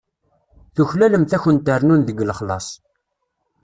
Tuklalemt ad kunt-rnun deg lexlaṣ.